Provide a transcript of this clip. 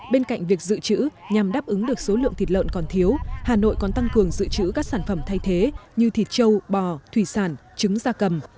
bên cạnh việc dự trữ nhằm đáp ứng được số lượng thịt lợn còn thiếu hà nội còn tăng cường dự trữ các sản phẩm thay thế như thịt châu bò thủy sản trứng gia cầm